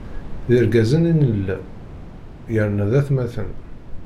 D irgazen i nella, yerna d atmaten.